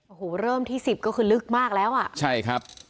โอ้โหเริ่มที่สิบก็คือลึกมากแล้วอ่ะใช่ครับ